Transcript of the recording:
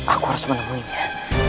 aku harus menemuinya